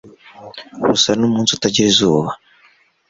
Busa numunsi utagira izuba